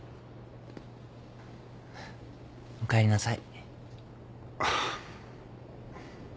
おかえりなさい。